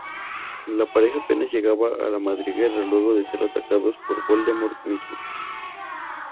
La pareja apenas llega a la Madriguera luego de ser atacados por Voldemort mismo.